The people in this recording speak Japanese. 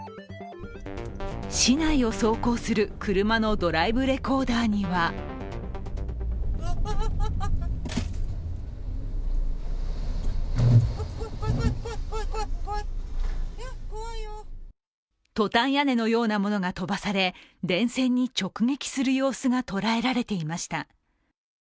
市内を走行する車のドライブレコーダーにはトタン屋根のようなものが飛ばされ電線に直撃する様子が捉えられていました。